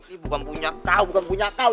ini bukan punya kau bukan punya kau